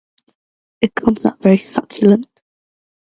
It comes out very succulent.